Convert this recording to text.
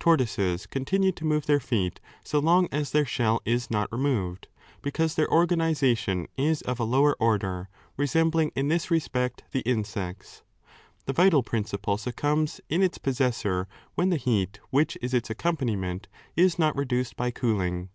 Tortoises continue to move their feet^ so long as their shell is not removed, because their organization is of a lower order, resembling 5 in this respect the insects. The vital principle succumbs in its possessor when the heat which is its accompaniment is not reduced by cooling.